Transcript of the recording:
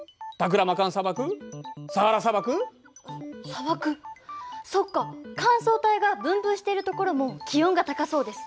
砂漠そっか乾燥帯が分布しているところも気温が高そうです。